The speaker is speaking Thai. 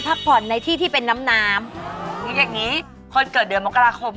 เพราะไม่งั้นหัวที่มแน่เพราะรีบ